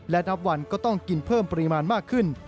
และนับวันก็ต้องกินเพิ่มปริมาณมากขึ้น